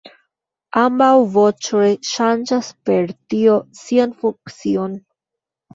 Ambaŭ voĉoj ŝanĝas per tio sian funkcion.